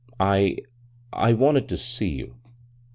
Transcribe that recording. I — I wanted to see you."